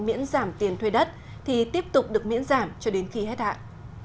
miễn giảm tiền thuê đất thì tiếp tục được miễn giảm cho đến khi hết hạn